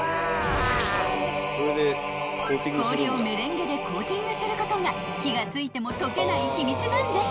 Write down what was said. ［氷をメレンゲでコーティングすることが火が付いても溶けない秘密なんです］